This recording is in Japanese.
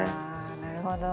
なるほど。